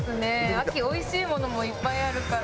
秋おいしいものもいっぱいあるから。